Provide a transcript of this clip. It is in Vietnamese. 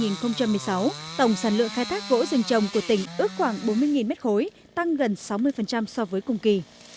năm hai nghìn một mươi sáu tổng sản lượng khai thác gỗ rừng trồng của tỉnh ước khoảng bốn mươi m ba tăng gần sáu mươi so với cùng kỳ